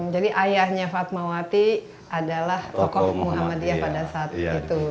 jadi ayahnya panmawati adalah tokoh muhammad dia pada saat itu